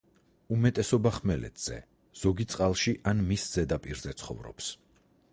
უმეტესობა ხმელეთზე, ზოგი წყალში ან მის ზედაპირზე ცხოვრობს.